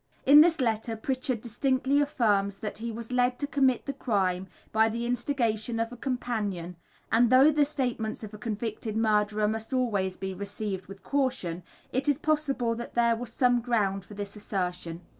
In this letter Pritchard distinctly affirms that he was led to commit the crime by the instigation of a companion, and though the statements of a convicted murderer must always be received with caution, it is possible that there was some ground for this assertion.